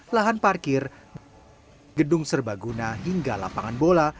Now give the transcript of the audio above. lahan parkir gedung serbaguna hingga lapangan bola